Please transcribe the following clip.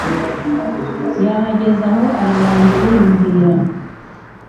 yahagaze aho arabanza ariyumvira